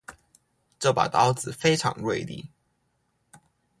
這把刀子非常銳利